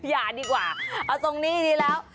อย่าดีกว่าเอาตรงนี้ดีแล้ว